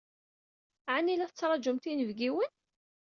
Ɛni la tettṛajumt inebgiwen?